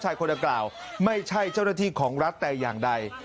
คนดังกล่าวไม่ใช่เจ้าหน้าที่ของรัฐแต่อย่างใด